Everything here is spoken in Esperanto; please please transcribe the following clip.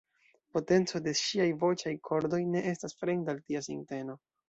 Potenco de ŝiaj voĉaj kordoj ne estas fremda al tia sinteno.